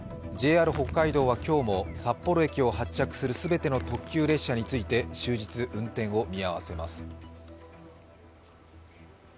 ＪＲ北海道は今日も札幌駅を発着する全ての特急列車について終日、運転を見合わせます。